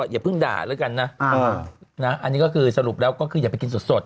อย่าเพิ่งด่าแล้วกันนะอันนี้ก็คือสรุปแล้วก็คืออย่าไปกินสด